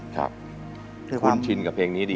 คุณชินกับเพลงนี้ดี